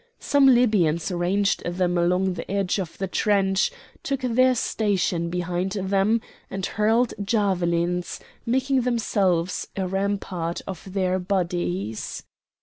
Some Libyans ranged them along the edge of the trench, took their station behind them, and hurled javelins, making themselves a rampart of their bodies.